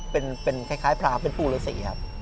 เป็นคล้ายพรางเป็นปู่ฤษีครับ